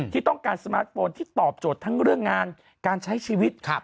ที่ต้องการสมาร์ทโฟนที่ตอบโจทย์ทั้งเรื่องงานการใช้ชีวิต